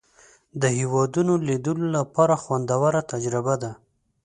د هېوادونو لیدلو لپاره خوندوره تجربه ده.